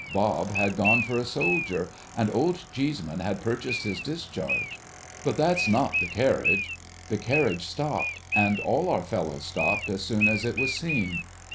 Bob had gone for a soldier, and Old Cheeseman had purchased his discharge. But that's not the carriage. The carriage stopped, and all our fellows stopped as soon as it was seen.